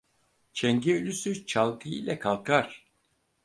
Çengi ölüsü çalgı ile kalkar.